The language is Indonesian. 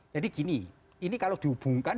jadi gini ini kalau dihubungkan